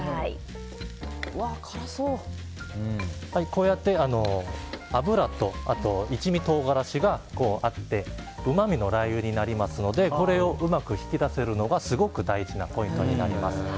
こうやって脂と一味唐辛子が合ってうまみのラー油になりますのでこれをうまく引き出すのがすごく大事なポイントになります。